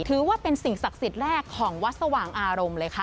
ถือว่าเป็นสิ่งศักดิ์สิทธิ์แรกของวัดสว่างอารมณ์เลยค่ะ